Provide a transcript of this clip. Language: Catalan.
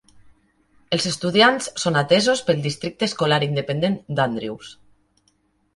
Els estudiants són atesos pel Districte Escolar Independent d'Andrews.